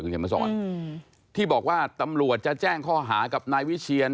เขียนมาสอนที่บอกว่าตำรวจจะแจ้งข้อหากับนายวิเชียน